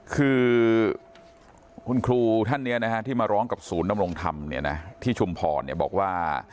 คือคุณครูท่านนี้ที่มาร้องกับศูนย์ดำรงธรรมที่ชุมพรบอกว่า